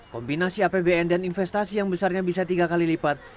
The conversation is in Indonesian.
kombinasi apbn dan investasi yang besarnya bisa tiga kali lipat